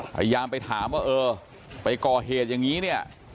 พยายามไปถามว่าเออไปก่อเหตุอย่างนี้เนี่ย